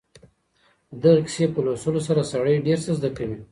د دغې کیسې په لوستلو سره سړی ډېر څه زده کوي.